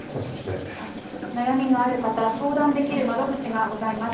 悩みがある方、相談できる窓口がございます。